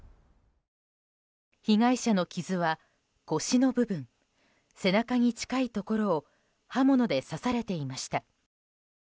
被害者の傷は、腰の部分背中に近いところを刃物で刺されていました。